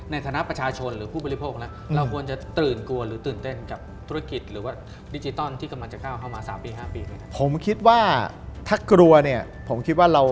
ในฐานะประชาชนหรือผู้บริโภค